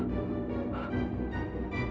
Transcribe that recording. gak kehormatan sama kamu